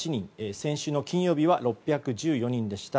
先週の金曜日は６１４人でした。